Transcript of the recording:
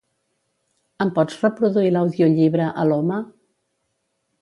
Em pots reproduir l'audiollibre "Aloma"?